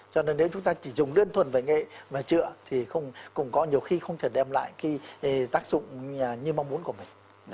cho nên nếu chúng ta chỉ dùng đơn thuần về nghệ và chữa thì cũng có nhiều khi không thể đem lại cái tác dụng như mong muốn của mình